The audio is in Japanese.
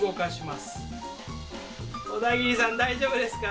小田切さん大丈夫ですか？